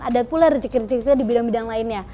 ada pula rezeki rezeki kita di bidang bidang lainnya